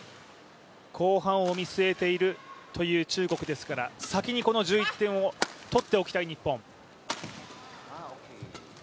後半を見据えているという中国ですから先にこの１１点を取っておきたい日本。